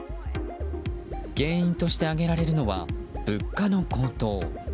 原因として挙げられるのは物価の高騰。